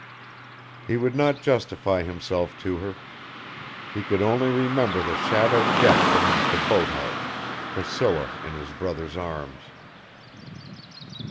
He would not justify himself to her; he could only remember the shadowed deck beneath the boat house Priscilla in his brother's arms....